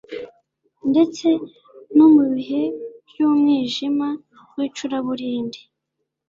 Ndetse no mu bihe byumwijima wicuraburindi